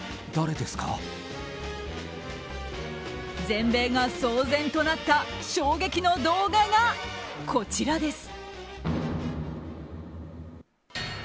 全米が騒然となった衝撃の動画が、こちらです。